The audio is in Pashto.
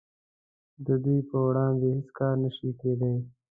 د دوی په وړاندې هیڅ کار نشي کیدای